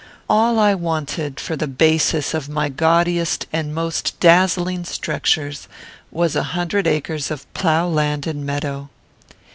All I wanted for the basis of my gaudiest and most dazzling structures was a hundred acres of plough land and meadow.